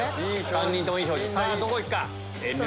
３人ともいい表情どこいくか？